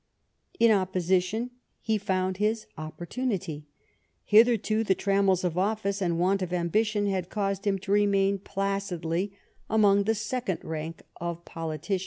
In opposition he found his opportunity. Hitherto the trammels of office and want of ambition had caused him to remain placidly among the second rank of poli 26 LIFE OF VISCOUNT FALMEESTON.